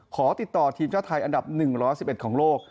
ขอติดต่อทีมชาติไทยอันดับ๑๑๑ของโลก